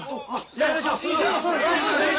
やりましょうよ！